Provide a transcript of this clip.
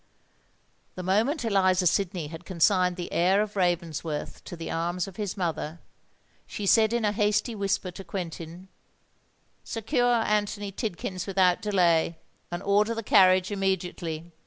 The moment Eliza Sidney had consigned the heir of Ravensworth to the arms of his mother, she said in a hasty whisper to Quentin, "Secure Anthony Tidkins without delay, and order the carriage immediately."